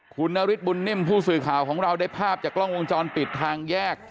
คุณนฤทธบุญนิ่มผู้สื่อข่าวของเราได้ภาพจากกล้องวงจรปิดทางแยก